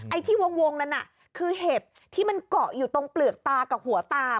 ไอ้ที่วงนั้นน่ะคือเห็บที่มันเกาะอยู่ตรงเปลือกตากับหัวตา